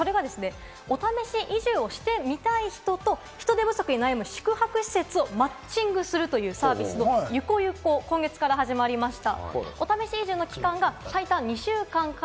お試し移住をしてみたい人と、人手不足に悩む施設をマッチングするというサービス「ゆくゆく」が始まりました。